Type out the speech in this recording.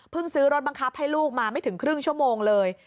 ซื้อรถบังคับให้ลูกมาไม่ถึงครึ่งชั่วโมงเลย